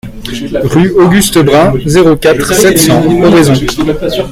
Rue Auguste Brun, zéro quatre, sept cents Oraison